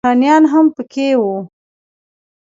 بهرنیان هم پکې وو.